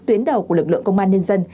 tuyến đầu của lực lượng công an nhân dân